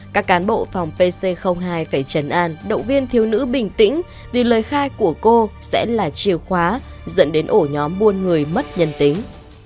cộng phòng pc hai phải trần an động viên thiếu nữ bình tĩnh vì lời khai của cô sẽ là chiều khóa dẫn đến ổ nhóm buôn người mất nhân tính